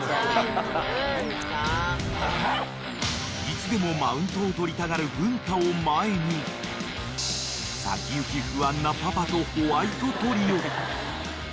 ［いつでもマウントを取りたがる文太を前に先行き不安なパパとホワイトトリオ］